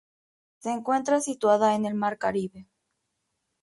Se encuentra situada en el mar Caribe.